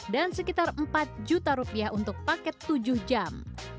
dan sekitar empat juta rupiah untuk paket tujuh jam